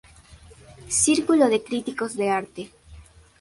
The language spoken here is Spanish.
Círculo de Críticos de Arte